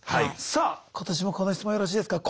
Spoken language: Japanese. さあ今年もこの質問よろしいですか？